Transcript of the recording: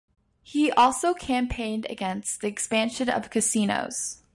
He also campaigned against the expansion of casinos.